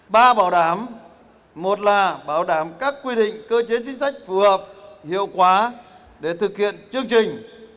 ba bảo đảm một là bảo đảm các quy định cơ chế chính sách phù hợp hiệu quả để thực hiện chương trình